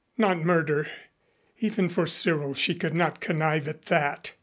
Not murder even for Cyril she could not connive at that.